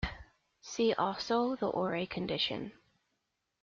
See also the Ore condition.